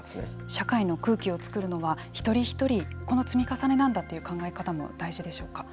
社会を作るのは一人一人この積み重ねなんだという考え方も大事でしょうか。